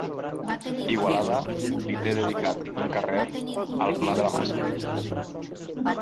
Igualada li té dedicat un carrer al Pla de la Massa.